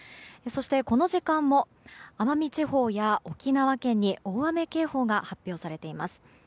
そして、この時間も奄美地方や沖縄県に大雨警報が発表されています。